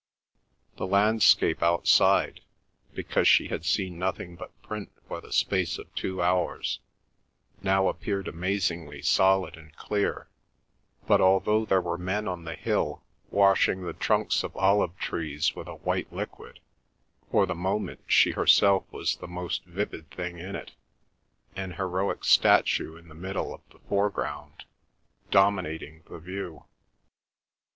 The landscape outside, because she had seen nothing but print for the space of two hours, now appeared amazingly solid and clear, but although there were men on the hill washing the trunks of olive trees with a white liquid, for the moment she herself was the most vivid thing in it—an heroic statue in the middle of the foreground, dominating the view.